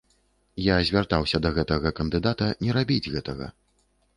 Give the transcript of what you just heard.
Я звяртаўся да гэтага кандыдата не рабіць гэтага.